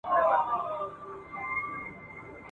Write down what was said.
موږ تل د حق ږغ پورته کړی دئ.